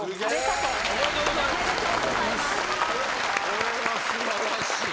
これは素晴らしい。